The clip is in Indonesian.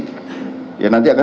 ya nanti akan dijelaskan